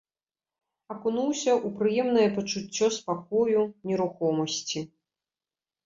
Акунуўся ў прыемнае пачуццё спакою, нерухомасці.